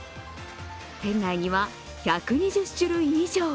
店内には１２０種類以上！